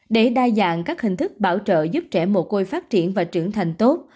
để đa dạng các hình thức bảo trợ giúp trẻ mồ côi phát triển và trưởng thành tốt